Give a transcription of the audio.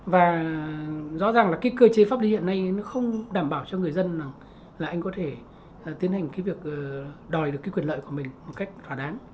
và rõ ràng là cái cơ chế pháp lý hiện nay nó không đảm bảo cho người dân là anh có thể tiến hành cái việc đòi được cái quyền lợi của mình một cách thỏa đáng